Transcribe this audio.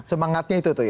semangatnya itu tuh ya